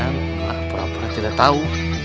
tidak pura pura tidak tahu